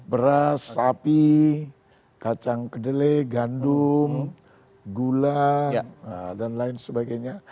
beras sapi kacang kedelai gandum gula dan lain sebagainya